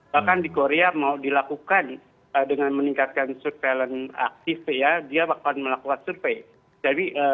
bahkan di korea mau dilakukan dengan meningkatkan surveillance aktif ya dia akan melakukan survei